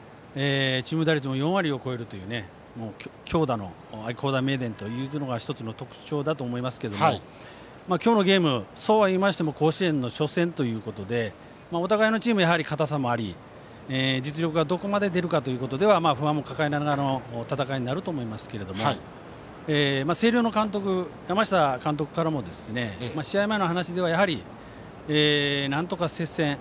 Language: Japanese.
チーム打率も４割を超えるという強打の愛工大名電というのが１つの特徴だと思いますが今日のゲームそうはいいましても甲子園の初戦ということでお互いのチーム硬さもあり実力がどこまで出るかというところでは不安も抱えながらの戦いになると思いますが星稜の監督、山下監督からも試合前の話ではなんとか接戦。